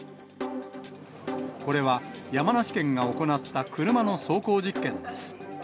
これは、山梨県が行った車の走行実験です。